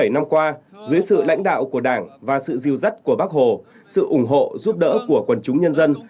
bảy mươi năm qua dưới sự lãnh đạo của đảng và sự diêu dắt của bác hồ sự ủng hộ giúp đỡ của quần chúng nhân dân